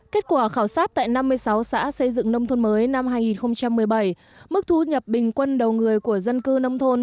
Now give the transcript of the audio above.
kết quả khảo sát tại năm mươi sáu xã xây dựng nông thôn mới năm hai nghìn một mươi bảy mức thu nhập bình quân đầu người của dân cư nông thôn